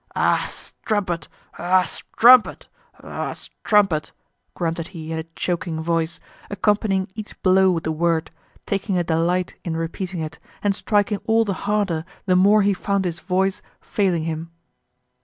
"Ah, strumpet! Ah, strumpet! Ah strumpet!" grunted he in a choking voice, accompanying each blow with the word, taking a delight in repeating it, and striking all the harder the more he found his voice failing him.